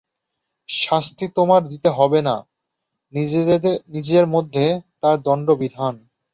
শাস্তি তোমার দিতে হবে না–নিজের মধ্যেই তার দণ্ডবিধান।